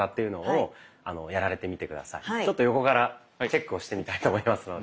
ちょっと横からチェックをしてみたいと思いますので。